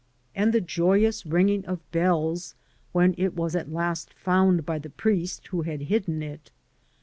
And the joyous ringing of bells when it was at last found by the priest who had hidden it?